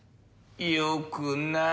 良くない。